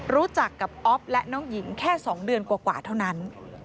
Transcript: รู้จักกับอ๊อฟและน้องหญิงแค่๒เดือนกว่าเท่านั้น